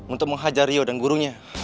untuk menghajar rio dan gurunya